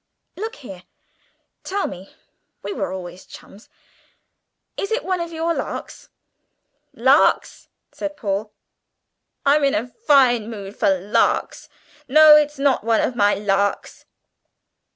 Look here, tell me (we were always chums), is it one of your larks?" "Larks!" said Paul. "I'm in a fine mood for larks. No, it's not one of my larks."